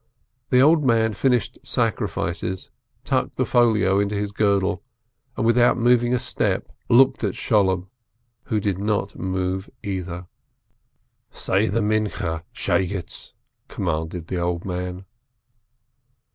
The old man finished "Sacrifices," tucked the folio into his girdle, and, without moving a step, looked at Sholem, who did not move either. "Say the Afternoon Prayer, Shegetz!" commanded the old man.